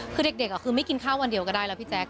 คือเด็กคือไม่กินข้าววันเดียวก็ได้แล้วพี่แจ๊